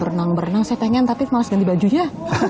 berenang berenang saya pengen tapi malas ganti bajunya